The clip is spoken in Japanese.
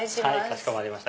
かしこまりました。